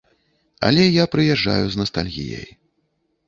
Але я прыязджаю з настальгіяй.